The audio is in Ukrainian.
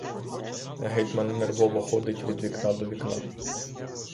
Гетьман нервово ходить від вікна до вікна.